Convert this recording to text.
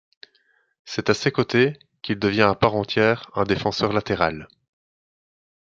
C'est à ses côtés qu'il devient à part entière un défenseur latéral.